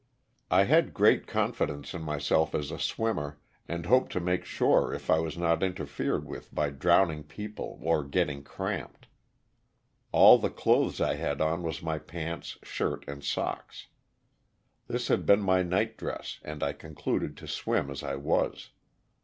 I had great confidence in myself as a swimmer, and hoped to make shore if I waw not iniorfered with by drowning people or getting cramped. AJJ the clothes I had on was my pants, shirt and socks. This had been my night dress, an'] 1 conclurled to swim as I was.